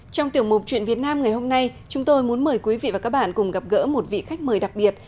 trong tiểu mục chuyện việt nam ngày hôm nay chúng tôi muốn mời quý vị và các bạn cùng gặp gỡ một vị khách mời đặc biệt